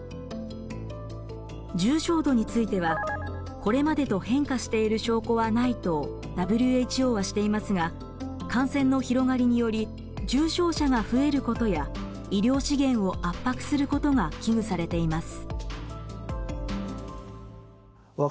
重症度については「これまでと変化している証拠はない」とＷＨＯはしていますが感染の広がりにより重症者が増えることや医療資源を圧迫することが危惧されています。